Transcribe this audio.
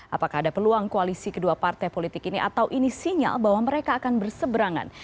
apakah ada peluang koalisi kedua partai politik ini atau ini sinyal bahwa mereka akan berseberangan